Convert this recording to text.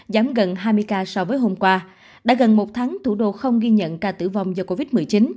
giảm gần hai mươi ca so với hôm qua đã gần một tháng thủ đô không ghi nhận ca tử vong do covid một mươi chín